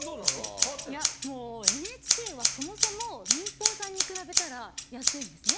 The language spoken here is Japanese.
いやもうＮＨＫはそもそも民放さんに比べたら安いんですね